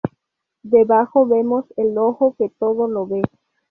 Debajo vemos el Ojo que todo lo ve.